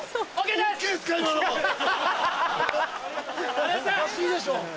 おかしいでしょ。